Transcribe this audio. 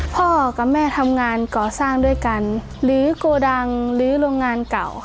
พ่อกับแม่ทำงานก่อสร้างด้วยกันหรือโกดังหรือโรงงานเก่า